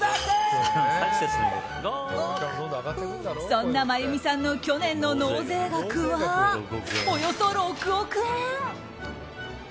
そんな真弓さんの去年の納税額は、およそ６億円。